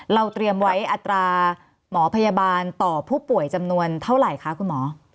เราเตรียมไว้อัตราหมอพยาบาลต่อผู้ป่วยจำนวนเท่าไหร่คะคุณหมอ